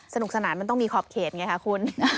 สนุกสนานมันต้องมีขอบเขตไงค่ะคุณ